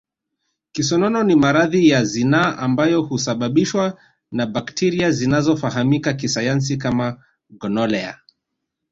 Kisonono ni maradhi ya zinaa ambayo husababishwa na bakteria zinazofahamika kisayansi kama gonolea